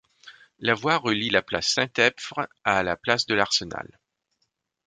La voie relie la place Saint-Epvre à la place de l'Arsenal.